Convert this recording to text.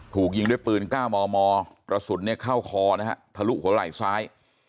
ถูกยิงด้วยปืน๙มมกระสุนเนี่ยเข้าคอนะฮะทะลุหัวไหล่ซ้าย